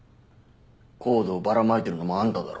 ＣＯＤＥをばらまいてるのもあんただろ？